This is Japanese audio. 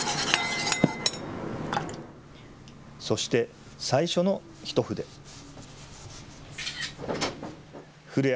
そして、最初の一筆。